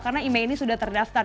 karena imei ini sudah terdaftar